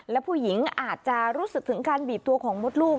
และผู้หญิงอาจจะรู้สึกถึงการบีบตัวของมดลูก